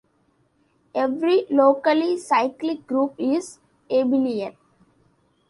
Every locally cyclic group is abelian.